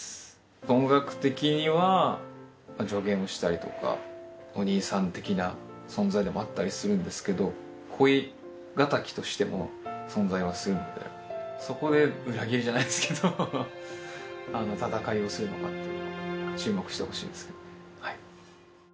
音楽的には助言をしたりとかお兄さん的な存在でもあったりするんですけど恋敵としても存在はするのでそこで裏切りじゃないですけど戦いをするのかっていうのが注目してほしいんですけどね